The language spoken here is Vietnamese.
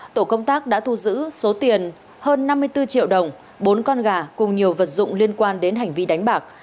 tổ công tác đã thu giữ số tiền hơn năm mươi bốn triệu đồng bốn con gà cùng nhiều vật dụng liên quan đến hành vi đánh bạc